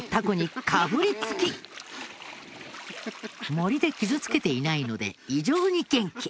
モリで傷付けていないので異常に元気。